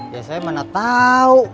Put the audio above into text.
ya saya mana tau